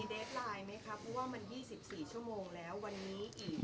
เพราะว่ามัน๒๔ชั่วโมงแล้ววันนี้อีก